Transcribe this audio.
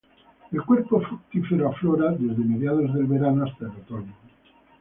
El cuerpo fructífero aflora desde mediados del verano hasta el otoño.